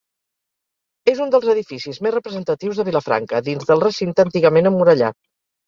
És un dels edificis més representatius de Vilafranca dins del recinte antigament emmurallat.